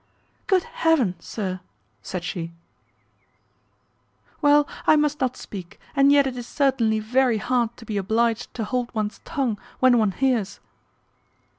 "Good Heaven! sir," said she "Well, I must not speak, and yet it is certainly very hard to be obliged to hold one's tongue when one hears."